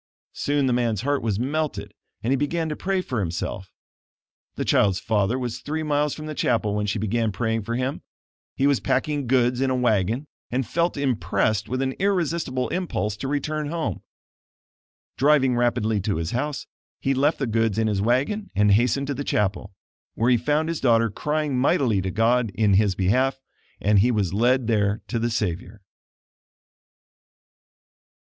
Soon the man's heart was melted and he began to pray for himself. The child's father was three miles from the chapel when she began praying for him. He was packing goods in a wagon and felt impressed with an irresistible impulse to return home. Driving rapidly to his house, he left the goods in his wagon and hastened to the chapel, where he found his daughter crying mightily to God in his behalf; and he was led there to the Savior.